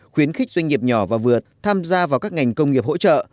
khuyến khích doanh nghiệp nhỏ và vừa tham gia vào các ngành công nghiệp hỗ trợ